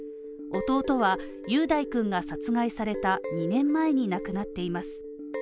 弟は雄大君が殺害された２年前に亡くなっています。